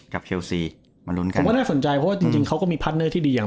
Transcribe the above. เชลซีมาลุ้นกันผมก็น่าสนใจเพราะว่าจริงจริงเขาก็มีพาร์ทเนอร์ที่ดีอย่าง